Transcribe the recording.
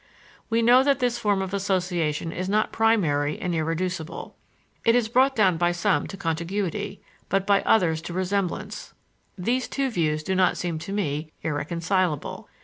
We know that this form of association is not primary and irreducible. It is brought down by some to contiguity, by most others to resemblance. These two views do not seem to me irreconcilable.